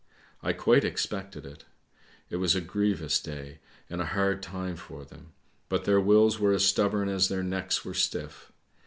I quite expected it. It was a grievous day and a hard time for them, but their wills were as subborn as their necks were stiff.